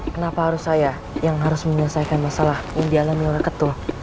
kenapa harus saya yang harus menyelesaikan masalah yang dialami oleh ketua